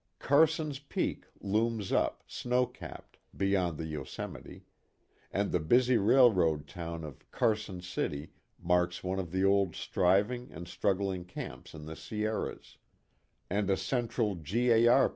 "Carson's Peak" looms up, snow capped, beyond the Yose mite ; and the busy railroad town of " Carson City " marks one of the old striving and strug gling camps in the Sierras ; and a central G. A. R.